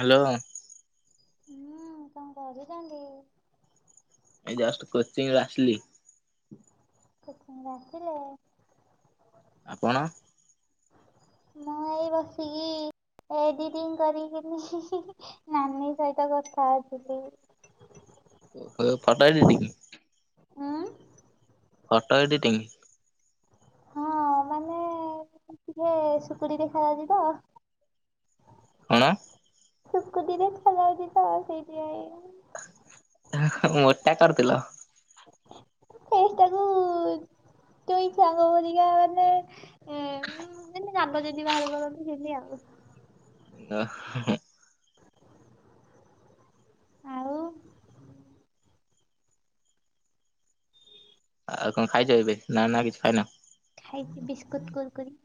Hello. ହୁଁ କଣ କରୁଚନ୍ତି? ଏଇ ଜଷ୍ଟ କୋଚିଂ ରୁ ଆସିଲି। ରାତିରେ ଆପଣ? ମୁଁ ଏଇ ବସିକି ଏଡିଟିଙ୍ଗ କରିକି ନାନୀ ସହିତ କଥା ହୋଉଥିଲି। ଓହୋ ଫୋଟ ଏଡିଟିଙ୍ଗ? ହୁଁ। Photo editing? ହଁ ମାନେ ଟିକେ ଶୁଖୁଡି ଦେଖା ଯାଉଛି ତ। କଣ? ସୁକତିରେ ଖଲଛି ତ ବ ସେଇଠି ଆ [unintelligible] ମୋଟା କରିଥିଲ। ସେଟାକୁ ତୁ ଇଚଛାଙ୍ଗ ବିକା ମାନେ [unintelligible] [inaudible] ଯା ଯଦି ବାହାର କର ସେମିତି ଆଉ [unintelligible] [unintelligible] ଆଉ ଆଉ କଣ ଖାଇଛ ଏବେ ନା ନା କିଛି ଖାଇନ? ଖାଇଛି ବିସ୍କୁଟ କୁର୍କୁରି।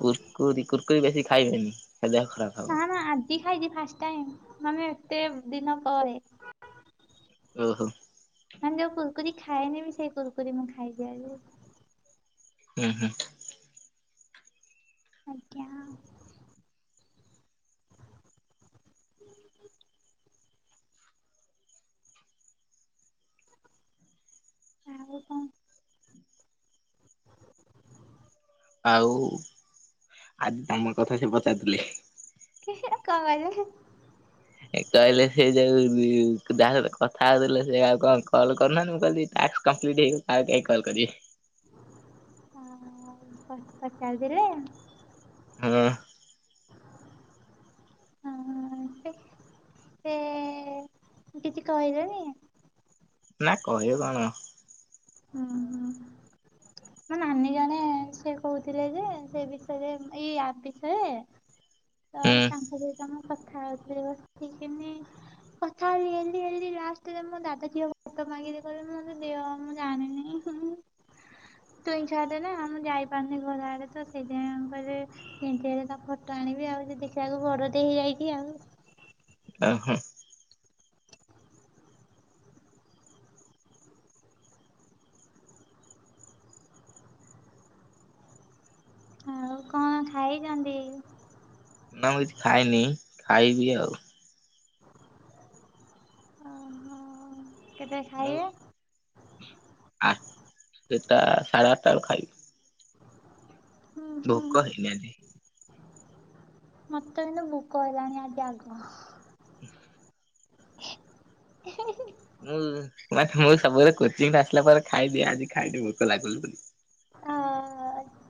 କୁର୍କୁରି କୁର୍କୁରିୀ ବେଶୀ ଖାଇବେନି ଦେହ ଖରାପ ହବ। ନା ନା ଆଜି ଖାଇଛି ଫାଷ୍ଟ ଟାଇମ ମାନେ ଏତେ ଦିନ ପରେ। ଓହୋ! ମାନେ ଯୋଉ କୁର୍କୁରି ଖାଇଏନି ବି ସେଇ କୂର୍କୁରି ମୁଁ ଖେଇଯାଏନି। ହୁଁ ହୁଁ। ଆଜ୍ଞା। ଆଉ କଣ? ଆଉ ଆଜି ତମ କଥା ସେ ପଚାରିଥିଲେ। କ [unintelligible] କହିଲେ ସେ ଯୋଉ ଯାହା ସହିତ କଥା ହଉଥିଲେ ସେ ଆଉ କଣ କଲ୍ କରୁନାହାନ୍ତି ମୁଁ କହିଲି ଟାସ୍କ କମ୍ପିଲ୍ଟ ହେଇଗଲେ ଆଉ କାହିଁକି କଲ କରିବେ। ପଚାରୁଥିଲେ? ହଁ। ହଁ ସେ କିଛି କହିବେନି। ନା କହିବ କଣ? ହୁଁ ହୁଁ [inaudible] ମୋ ନାନୀ ଜଣେ ସେଇ କହୁଥିଲେ ଯେ ସେ ବିଷୟରେ ଏଇ ଆପ୍ ବିଷୟରେ [inaudible] ତ ତାଙ୍କ ସହିତ ମୁଁ କଥା ହଉଥିଲି ବସିକିନି। କଥା ହେ ହେ ହେ ଲାଷ୍ଟରେ ମୋ ଦାଦା ଝିଅ ଫଟୋ ମାଗିଲେ ମୋତେ ଦିଅ। [inaudible] ତୁଇ ଚାଲେ ନା ଆମେ ଯାଇପାରୁନି ଘର ଆଡେ ତ ସେଇଥିପାଇଁ ଏମିତି ତା ଫଟୋ ଆଣିବି ଆଉ ଯିଏ ଦେଖିବାକୁ ବଡଟେ ହେଇଯାଇଛି ଆଉ ଆ- ହୁଁ। ଖାଇଚନ୍ତି ନା ମୁଁ କିଛି ଖାଇନି ଖାଇବି ଆଉ ଓ ହୋ କେତେ ମୁଁ ଖାଇବେ [unintelligible] ଆ ସେଟା ସାଢେ ଆଠଟା ବେଳକୁ ଖାଇବି। ହୁଁ ହୁଁ ଭୋକ ହେଲାନି ମତେ ଏଇନେ ଭୋକହେଲାଣି ଆଜି ଆଗ [unintelligible] ହିଁ - ହିଁ ମୁଁ ଵାସ୍ ମୁଁ ସବୁବେଳେ କୋଚିଂ ଆସିଲା ପରେ ଖାଇଦିଏ ଆଜି ଖାଇନି ଭୋକଲାଗୁ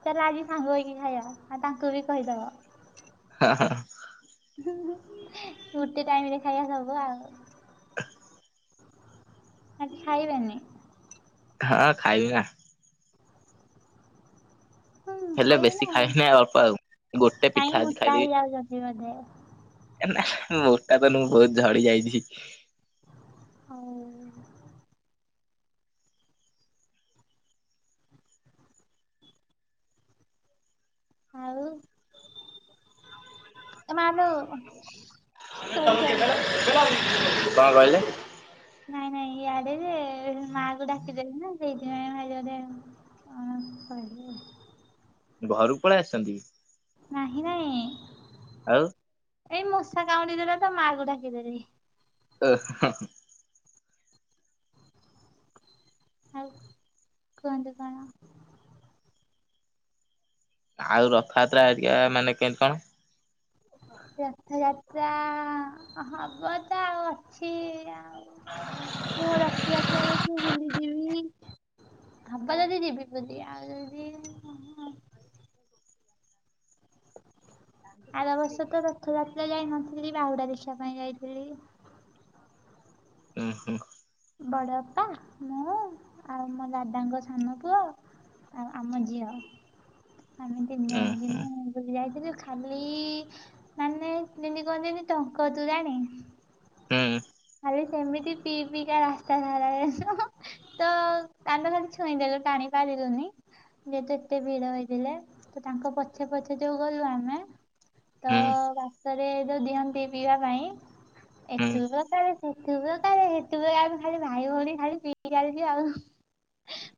ଚାଲେ ଆଜି ସାଙ୍ଗ ହେଇକି ଖାଇବା ଆଉ ତାଙ୍କୁ ବି କହିଦବ ହଁ ହଁ। ହୁଁ ହୁଁ ଗୋଟେ ଟାଇମରେ ଖାଇବା ସବୁ ଆଉ। ଆଜି ଖାଇବାନି। ହଁ ଖାଇବି ନା। ହୁଁ ହେଲେ ଖାଇବେ ନା ବେଶୀ ଖାଇବିନି ଅଳ୍ପ ଆଉ ଗୋଟେ କାହିଁକି ପିଠା ଆଜି ମୋଟା ଖାଇଦେବି। ହେଇଯାଉଛନ୍ତି ବୋଧେ। ନା ମୋଟା ତ ନୁହଁ ମୁୁଁ ବହୁତ ଝଡି ଯାଇଛି। ହଉ ଆଉ ଏ ମାଆ ଲୋ। [unintelligible] କଣ କହିଲେ? ନାଇଁ ନାଇଁ ଇଆଡେ ଯେ ମାଆକୁ ଡାକିଦେଲେ ନା ସେଇଥିପାଇଁ ଭାଇ କଣ କହିବେ ଘରକୁ ପଳେଇ ଆସିଚନ୍ତି କି? ନାହିଁ ନାହିଁ। ଆଉ ଏଇ ମୂଷା କାମୁଡି ଦେଲା ତ ମାକୁ ଡାକି ଦେଲି। ଓ- ହ- ହଁ ଆଉ କୁହନ୍ତୁ କଣ? ଆଉ ରଥଯାତ୍ରା ଏକା ମାନେ କେମତି କଣ? ରଥଯାତ୍ରା ହବ ତ ଆଉ ଅଛି ଆ ଆଉ ମୁଁ ରଥଯାତ୍ରାକୁ ବୁଲିଯିବି। ହବ ଯଦି ଯିବି ବୁଲି ଆଉ ଯଦି ଆର ବର୍ଷ ତ ରଥଯାତ୍ରା ଯାଇନଥିଲି ବାହୁଡା ଦେଖିବାପାଇଁ ଯାଇଥିଲି। ହୁଁ ହୁଁ ବଡ଼ବାପା, ମୁଁ, ଆଉ ମୋ ଦାଦାଙ୍କ ସାନପୁଅ। ଆଉ ଆମ ଝିଅ ଆମେ ତିନି ଜଣ ଉଁ ହୁଁ ଜିମୁ ବୋଲି ଯାଇଥିଲୁ। ଖାଲି ମାନେ ଯେମିତି କୁହନ୍ତିନି ଟଙ୍କତୋରାଣି। ହୁଁ ଖାଲି ସେମିତି ପିଇ ପିଇିକା ରାସ୍ତା ସାରା ତ କାନ୍ଦ ଖାଲି ଛୁଇଁଦେଲୁ ଟାଣିପାରିଲୁନି। ଯେହେତୁ ଏତେ ଭିଡ ହେଇଥିଲେ ତ ତାଙ୍କ ପଛେ ପଛେ ଯୋଉ ଗଲୁ ଆମେ ତ ହୁଁ ବାଟରେ ଯୋଉ ଦିଅନ୍ତି ପିଇବା ପାଇଁ ହୁଁ ଏଥି [unintelligible] ଆମେ ଖାଲି ଭାଇ ଭଉଣୀ ଖାଲି ପିଇଚାଲିଚୁ ଆଉ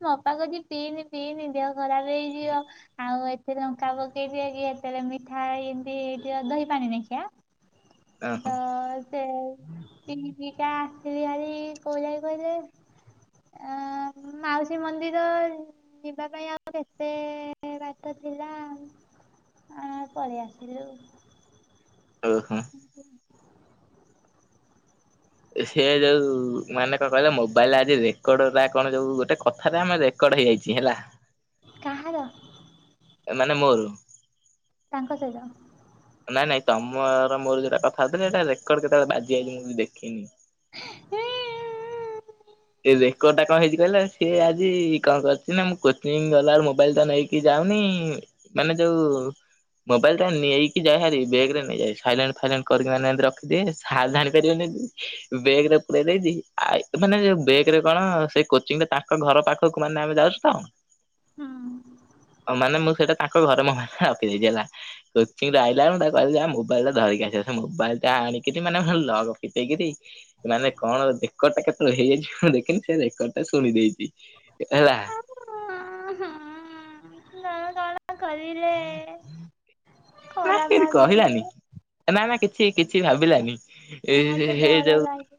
ମୋ ଅପା କହୁଚି ପିଇନି ପିଇନି ଦେହ ଖରାପ ହେଇଯିବ। ଆଉ ଏଥିରେ ଲଙ୍କା ପକେଇ ଦି କି ସେତେବେଳେ ମିଠା ଏମିତି ଦହିପାଣି ଦେଖିଆ। [unintelligible] ଓହୋ ତ ସେ ତିନି ପିଇକା ଆସିଲେ ହେରି କୋଉ ଯାଇ କହିଲେ ଆ ମାଉସୀ ମନ୍ଦିର। ଯିବା ପାଇଁ ଆଉ କେତେ ବାଟ ଥିଲା। ଆ ପଳେଇ ଆସିଲୁ। ଓହୋ ସେ ଯୋଉ ମାନେ କଣ କହିଲ ମୋବାଇଲରେ ଆଜି ରେକର୍ଡ କଣ ଯୋଉ ଗୋଟେ କଥାରେ ଆମେ ରେକର୍ଡ ହେଇଯାଇଛି ହେଲା। କାହାର ମାନେ ମୋର। ତାଙ୍କ ସହିତ ହଁ। ନାଇଁ ନାଇଁ ତମର ମୋର ଯୋଉଟା କଥା ହଉଥିଲେ ସେଇଟା ରେକର୍ଡ କେତେବେଳେ ବାଜି ଯାଇଛି ମୁଁ ଦେଖିନି। ହେଁ। ଏ ରେକର୍ଡ ଟା କଣ ହେଇଛି କହିଲ ସିଏ ଆଜି କଣ କରିଛି ନା ମୁଁ କୋଚିଙ୍ଗ୍ ଗଲା ବେଳେ ମୋବାଇଲ୍ ଟା ନେଇ କି ଯାଉନି ମାନେ ଯୋଉ ମୋବାଇଲ୍ ଟା ନେଇକି ଯାଏ ଭାରି ବେଗ୍ ରେ ନେଇଯାଏ ସାଇଲେଣ୍ଟ୍ ଫାଇଲେଣ୍ଟ୍ କରିକି ମାନେ ଏନ୍ତି ରଖିଦିଏ ହାତରେ ଧରି ପାରିବନି ବେଗ୍ ରେ ପୁରେଇ ଦେଇଛି ଆ ମାନେ ସେ ବେଗ୍ ରେ କଣ ସେ କୋଚିଙ୍ଗ ରେ ତାଙ୍କ ଘର ପାଖକୁ ମାନେ ଆମେ ଯାଉଛୁ ତ? ହୁଁ। ଓ ମାନେ ମୁଁ ସେଟା ତାଙ୍କ ଘରେ ମୋ ବ୍ୟାଗ୍ ଟା ରଖିଦେଇଛି ହେଲା। ଏତିକି ରେ ଆଇଲା ମୁଁ ତାକୁ କହିଲି ଯା ମୋବାଇଲ୍ ଟା ଧରିକି ଆସିବାକୁ ସେ ମୋବାଇଲ୍ ଟା ଆଣିକିରି ମାନେ ସେ ଲକ୍ ଫିଟେଇକିରି ମାନେ କଣ ରେକର୍ଡ ଟା କେତେବେଳେ ହେଇଯାଇଛି ମୁଁ ଦେଖିନି ସେ ରେକର୍ଡ ଟା ଶୁଣି ଦେଇଛି ହେଲା। ହଁ ନାଁ କଲ୍ କରିଦେ। ନା ସିଏ ବି କହିଲାନି ନା ନା କିଛି କିଛି ଭାବିଲାନି ମତେ ଏଇ ହେଇ ଡର ଯାଉ। ଲାଗେ।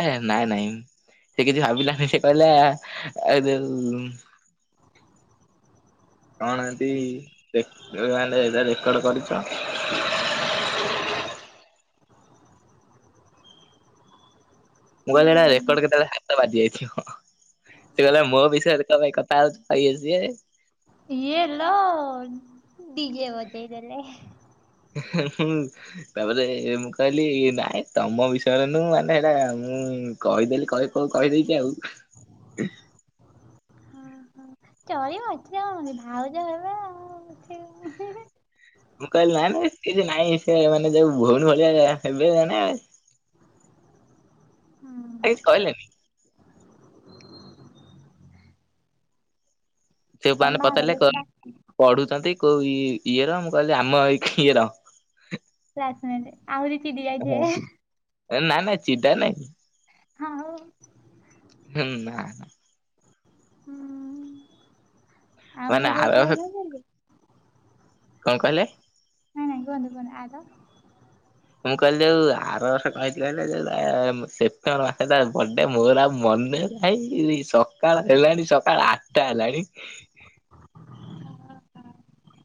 ହେ ହେ ନାଇଁ ନାଇଁ ସେ କିଛି ଭାବିଲାନି ସେ କହିଲା ଏଇ ଯୋଉ କଣ କେମିତି ରେ ମୋବାଇଲ୍ ରେ ରେକର୍ଡ କରିଛ? ମୁଁ କହିଲି ସେଇଟା ହୁଁ ରେକର୍ଡ କେତେବେଳେ ହାତ ବାଜି ଯାଇଥିବ। ସେ କହିଲା ମୋ ବିଷୟରେ କଁ ପାଇଁ କଥା ହଉଛ ଇଏ ସିଏ। କିଏ ଲୋ ଡିଜେ ବଜେଇ ଦେଲେ। ଏ ହେ ମୁଁ। ତାପରେ ମୁଁ କହିଲି ଇଏ ନାଇଁ ତମ ବିଷୟରେ ନୁହଁ ମାନେ ସେଇଟା ମୁଁ କହିଦେଲି କହୁ କହୁ କହିଦେଇଛି ଆଉ। ଓ ହୋ ଚଳିବ ଏଥିରେ କଣ ଅଛି ଭାଉଜ ହେବେ ଆଉ। ଏଥିରେ ମୁଁ କହିଲି ନାଇଁ ନାଇଁ କିଛି ନାଇଁ ସେ ମାନେ ଯୋଉ ଭଉଣୀ ଭଳିିଆ ହେବେ ଜଣେ ଆଉ। କଣ। କେହି କହିଲେନି? ତମ ସେମାନେ ପଚାରିଲେ ବାହାଘରକୁ ଡା କଣ ପଢୁଛନ୍ତି କୋଉ ଇ ଇଏର ମୁଁ କହିଲି ଆମ ଏଇ ଇଏର। କାହା ସାଙ୍ଗେରେ ଆହୁରି ଚିଡ଼ି ଯାଇଥିବେ। ଏ ନାଁ ନାଇଁ ଚିଡା ନାଇଁ। ହଁ ହଉ। ହୁଁ ନାଁ ନାଁ। ହୁଁ ଆଉ ମାନେ ମୁଁ ଆର ଯୋଉ ବର୍ଷ କହୁନଥିଲି। କଣ କହିଲେ? ନାଇଁ ନାଇଁ ତମେ ଯିବନି ଆଗ। ମୁଁ କହିଲି ଯୋଉ ଆର ବର୍ଷ କହିଥିଲେ ହେଲେ ଯୋଉ ସେ ଥର ଆଠେଟା ବର୍ଡେ ମୋର ଆଉ ମନେ ନାହିଁ ସକାଳ ହେଲାଣି ସକାଳ ଆଟା ହେଲାଣି ହଁ ହଁ।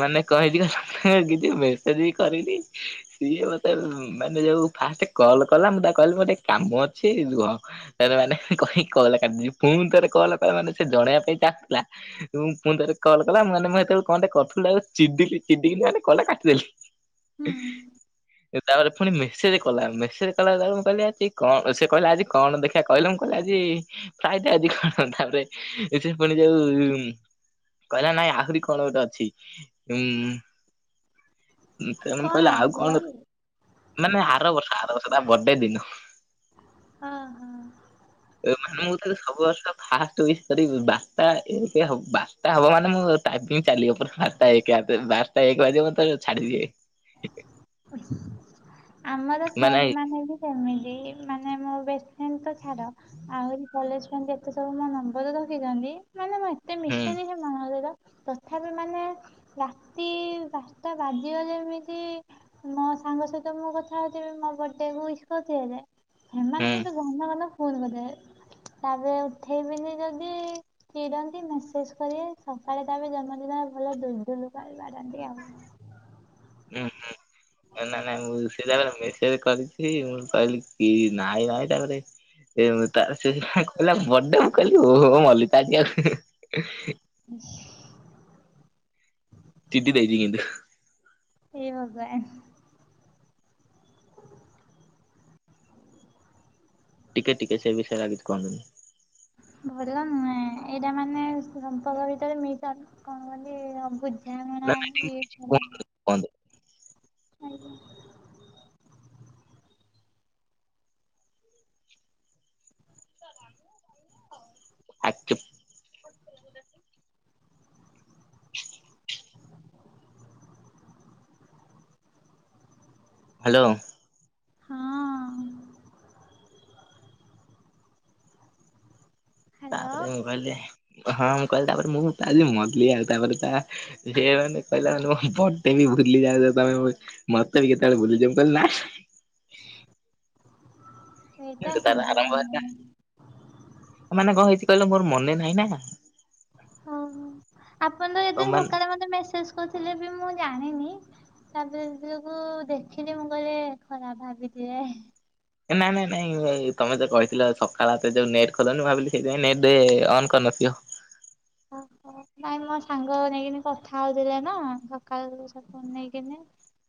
ମାନେ କଁ ହେଇଛି କହିଲ ସେ କିଛି ମେସେଜ୍ ବି କରିନି। ସିଏ ମତେ ମାନେ ଯୋଉ ଫାଷ୍ଟ୍ କଲ୍ କଲା ମୁଁ ତାକୁ କହିଲି ମୋର ଟିକେ କାମ ଅଛି ରୁହ। ତାପରେ ମାନେ କହିକି କଲ୍ କାଟି ଦେଲି ପୁଣି ଥରେ କଲ୍ କରିବ ମାନେ ସେ ଜଣେଇବା ପାଇଁ ଚାହୁଁଥିଲା ଉଁ ପୁଣି ଥରେ କଲ୍ କଲା ମାନେ ମୁଁ ସେତବେଳକୁ କଣ ଗୋଟେ କରୁଥିଲି ତା ଉପରେ ଚିିଡିଲି ଚିଡିକି ମାନେ କଲ୍ ଟା କାଟି ଦେଲି। ହୁଁ ତାପରେ ପୁଣି ମେସେଜ୍ କଲା ମେସେଜ୍ କଲାପରେ ମୁଁ କହିଲି ଆଜି କଣ ସେ କହିଲା ଆଜି କଣ ଦେଖି ଆ କହିଲୁ ମୁଁ କହିଲି ଆଜି ଫ୍ରାଇଡେ ଆଜି କଣ ତାପରେ ସେ ପୁଣି ଯୋଉ କହିଲା ନାଇଁ ଆହୁରି କଣ ଗୋଟେ ଅଛି ଉଁ ତେଣୁ ମୁ କଣ କହିଲି ଆଜି ଆଉ ଥିଲା କଣ କି? ମାନେ ଆର ବର୍ଷ ଆର ବର୍ଷ ତା ବର୍ଡେ ଦିନ। ହଁ ହଁ। [unintelligible] ମାନେ ମୁଁ ତତେ ସବୁ ବର୍ଷ ଫାଷ୍ଟ ଉଇସ୍ କରିବି ବାରତା ବାରଟା ହବ ମାନେ ମୁଁ ଟାଇପିଙ୍ଗ ଚାଲିବ ପୁରା ବାରଟା ଏକ [unintelligible] ବାରଟା ଏକ ବାଜିବ ତ ଛାଡିବି। ଆମର ଫେନ୍ [unintelligible] ମାନେ ବି ସେମିତି ମାନେ ମୋ ବେଷ୍ଟ ଫ୍ରେଣ୍ଡ ତ ଛାଡ଼ ଆହୁରି କଲେଜ ପାଇଁ [unintelligible] ଏତେ ସବୁ ମୋ ନମ୍ବର ରଖିଛନ୍ତି ମାନେ ମୁଁ ଏତେ ହୁଁ ମିଶେନି ସେମାନଙ୍କ ସହିତ ତଥାପି ମାନେ ରାତି ବାରଟା ବାଜିବ ଯେମିତି ତି ମୋ ସାଙ୍ଗ ସହିତ ମୁଁ କଥା ହଉଥିବି ମୋ ବର୍ଡେ ଉଇଶ୍ କରିଥିବେଜେ ଏମାନେ ହୁଁ କିନ୍ତୁ ଘନ ଘନ ଫୋନ କରିବେ ତାପରେ ଉଠେଇବିନି ଯଦି ଚିଡ଼ନ୍ତି ମେସେଜ କରିବେ ସକାଳେ ତା ଜନ୍ମଦିନ ଭଲ ଦୁଲ ଦୁଲ କରି ବାଡ଼ାନ୍ତି ଆଉ। ହୁଁ ହୁଁ [unintelligible] ସେ ତାପରେ ମେସେଜ କରିଛି ମୁଁ କହିଲି କି ନାଇଁ ନାଇଁ ତାପରେ ଏ ମୁଁ ତା ସେ କହିଲା ବଡେ ମୁଁ କହିଲି ଓହୋ ମଲି ତ ଆଜି ଆଉ। [unintelligible] ଚିଡି ଦେଇଛି କିନ୍ତୁ। ଏ ଭଗବାନ୍। ଟିକେ ଟିକେ ସେ ବିଷୟରେ ଆଉ କିଛି କହନ୍ତୁନି। ଭଲ ନୁହେଁ ଏଇଟା ମାନେ ସମ୍ପର୍କ ଭିତରେ ମିଶ ଅ କଣ କୁହନ୍ତି ବୁଛି ନାନ୍ତୁ [unintelligible] ଆଜ୍ଞା। ଆ ଚୁପ୍। ହ ହ୍ୟାଲୋ! ହଁ। ହ୍ୟାଲୋ ତାପରେ ମୁଁ କହିଲି ହଁ ମୁଁ କହିଲି ତାପରେ ମୁଁ କହିଲି ମଲି ଆଉ ତାପରେ ତା ଏ ମାନେ କହିଲା ମାନେ ମୋ ବଡେ ବି ଭୁଲି ଯାଉଚ ତମେ। ମତେ ବି କେତେବେଳେ ଭୁଲିଯିବ ମୁଁ କହିଲି ନା ସେଇଟା ସେଇଟୁ ତାର ସମ୍ଭବ ଆରମ୍ଭ ହେଲା ନୁହେଁ ମାନେ କଣ ହେଇଛି କହିଲ ମୋର ମନେ ନାହିଁ ନା। ଓହୋ ଆପଣ ତ ଯେତେ ସକାଳେ ମତେ ମେସେଜ କରୁଥିଲେ ବି ମୁଁ ଜାଣିନି। ତାପରେ ଜେତଳକୁ ଦେଖିଲି ମୁଁ କହଲେ ଖରାପ ଭାବିଥିବେ। ଏ ନାଇଁ ନାଇଁ ତମେ ତ କହିଥିଲ ସକାଳ ଯୋଉ ନେଟ୍ ଖୋଲନି ମୁଁ ଭାବିଲି ସେଇଥିପାଇଁ ନେଟ୍ ଅନ୍ କରିନଥିବ। ଓହୋ [unintelligible] ନାଇଁ ମୋ ସାଙ୍ଗ ନେଇକିନି କଥା ହଉଥିଲା ନା ସକାଳ [inaudible] ନେଇକିନି।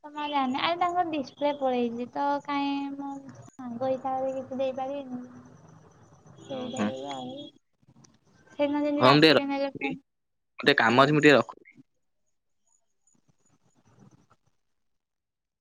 ତ ମୁଁ ଆଉ ଜାନି ଆରେ ତାଙ୍କର ଡିସପ୍ଲେ ପଳେଇଛି ତ କାଇଁ ମୁଁ ସାଙ୍ଗ ହିସାବରେ କିଛି ଦେଇପାରିବିନି? [unintelligible] ସେଟା ଏବେ ଆ [unintelligible] ହଁ ମୁଁ ଟିକେ [unintelligible] ପୁଣି ଟିକେ କାମ ଆଜ୍ଞା। ଅଛି ମୁଁ ଟିକେ ରଖୁ